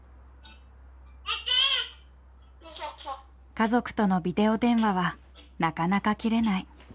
家族とのビデオ電話はなかなか切れない。